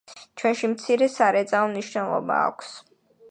ჩვენში მცირე სარეწაო მნიშვნელობა აქვს.